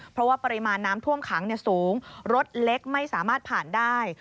เพราะว่าปริมาณน้ำท่วมขังสูงรถเล็กไม่สามารถผ่านได้